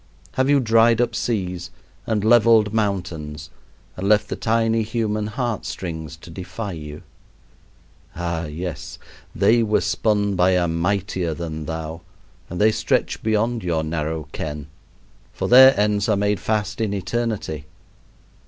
Have you dried up seas and leveled mountains and left the tiny human heart strings to defy you? Ah, yes! they were spun by a Mightier than thou, and they stretch beyond your narrow ken, for their ends are made fast in eternity.